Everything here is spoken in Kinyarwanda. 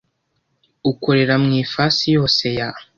ukorera mw’ifasi yose ya